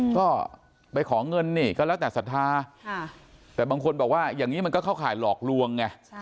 ก็ไปขอเงินนี่ก็แล้วแต่ศรัทธาแต่บางคนบอกว่าอย่างนี้มันก็เข้าข่ายหลอกลวงไง